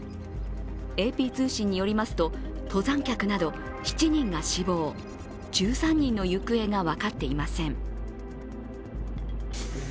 ＡＰ通信によりますと登山客など７人が死亡１３人の行方が分かっていません。